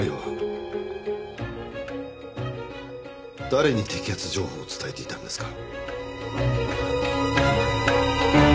誰に摘発情報を伝えていたんですか？